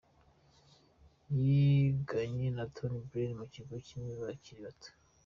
Yiganye na Tony Blair mu kigo kimwe bakiri bato.